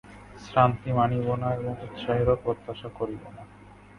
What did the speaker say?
শ্রান্তি মানিব না এবং উৎসাহেরও প্রত্যাশা করিব না।